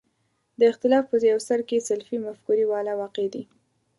د اختلاف په یو سر کې سلفي مفکورې والا واقع دي.